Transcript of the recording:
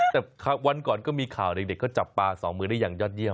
แต่วันก่อนก็มีข่าวเด็กเขาจับปลาสองมือได้อย่างยอดเยี